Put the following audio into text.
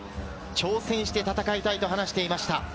挑戦して戦いたいと話していました。